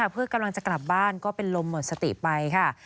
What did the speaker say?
เพื่อกำลังจะกลับบ้านก็เป็นลมหมดสติไปค่ะ